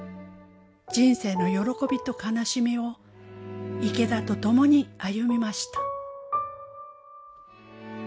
人生の喜びと悲しみを池田と共に歩みました。